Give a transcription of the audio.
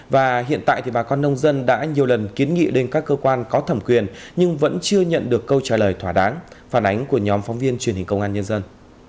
và hiện tại thì bà con nông dân đã nhiều lần kiến nghị lên các cơ quan có thẩm quyền nhưng vẫn chưa nhận được câu trả lời thỏa đáng phản ánh của nhóm phóng viên truyền hình công an nhân dân